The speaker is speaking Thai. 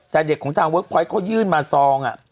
แต่เด็กของทางเวิร์คพอยต์เขายื่นมาซอง